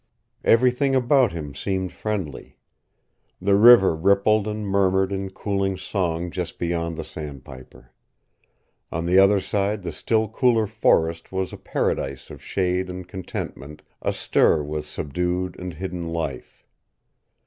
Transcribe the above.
Everything about him seemed friendly. The river rippled and murmured in cooling song just beyond the sandpiper. On the other side the still cooler forest was a paradise of shade and contentment, astir with subdued and hidden life.